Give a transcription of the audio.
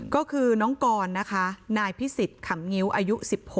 ก็คือน้องกรนะคะนายพิสิทธิ์ขำงิ้วอายุ๑๖